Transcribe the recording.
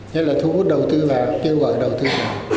nhất là thu hút đầu tư vào kêu gọi đầu tư